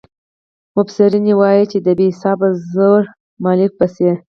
مبصرین یې وايي چې د بې حسابه زرو مالک به شي.